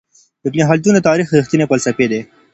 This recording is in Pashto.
ابن خلدون د تاريخ رښتينی فلسفي دی.